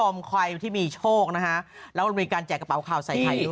ใครที่มีโชคนะฮะแล้วมีการแจกกระเป๋าข่าวใส่ไข่ด้วย